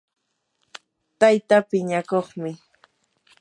tayta piñakuqmi